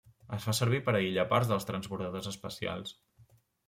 Es fa servir per aïllar parts dels transbordadors espacials.